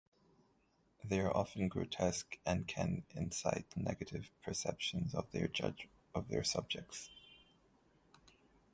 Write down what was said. They are often grotesque and can incite negative perceptions of their subjects.